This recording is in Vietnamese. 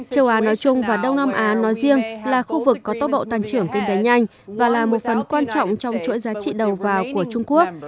châu á nói chung và đông nam á nói riêng là khu vực có tốc độ tăng trưởng kinh tế nhanh và là một phần quan trọng trong chuỗi giá trị đầu vào của trung quốc